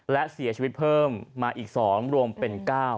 และเสียชีวิตเพิ่มมาอีก๒รวมเป็น๙